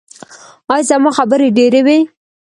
ایا زما خبرې ډیرې وې؟